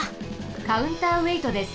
カウンターウェイトです。